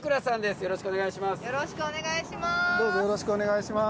よろしくお願いします。